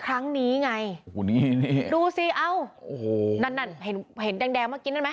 ครั้งนี้ไงโอ้โหนี่นี่ดูสิเอ้าโอ้โหนั่นนั่นเห็นเห็นแดงแดงเมื่อกี้นั่นไหม